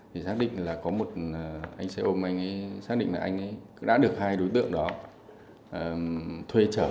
thì xác định là có một anh xe ôm anh ấy xác định là anh ấy đã được hai đối tượng đó thuê chở